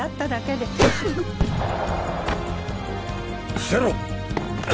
伏せろ！